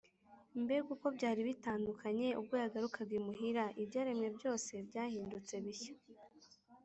. Mbega uko byari bitandukanye ubwo yagarukaga imihura! Ibyaremwe byose byahindutse bishya